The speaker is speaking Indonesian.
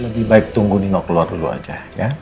lagi baik tunggu nino keluar dulu aja ya